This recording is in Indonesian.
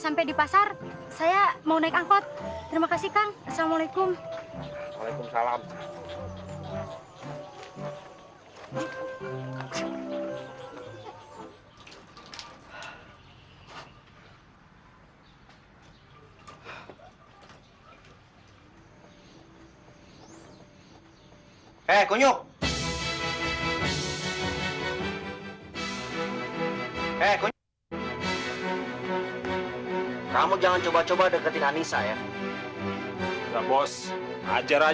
maksudnya mau ke pasar